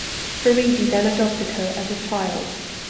Faridi then adopted her as a child.